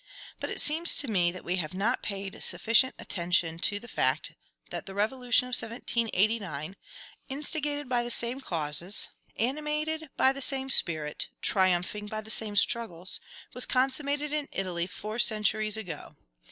But it seems to me that we have not paid sufficient attention to the fact that the Revolution of 1789, instigated by the same causes, animated by the same spirit, triumphing by the same struggles, was consummated in Italy four centuries ago.